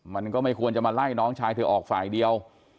มันก็ไม่ควรจะมาไล่น้องชายเธอออกฝ่ายเดียว